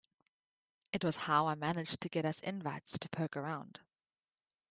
It was how I managed to get us invites to poke around.